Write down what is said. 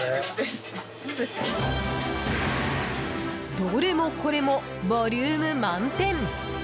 どれもこれもボリューム満点！